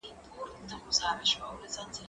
زه هره ورځ ږغ اورم؟